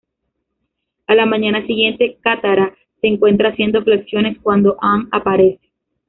A la mañana siguiente, Katara se encuentra haciendo flexiones cuando Aang aparece.